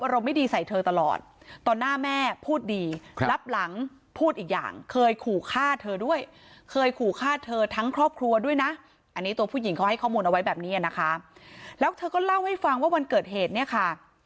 อันนี้ตัวผู้หญิงเขาให้ข้อมูลเอาไว้แบบนี้อ่ะนะคะแล้วเธอก็เล่าให้ฟังว่าวันเกิดเหตุเนี้ยค่ะ